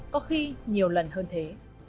có khi nhiều lần hơn thế